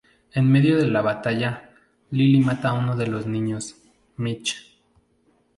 En medio de la batalla, Lilly mata a uno de los niños, Mitch.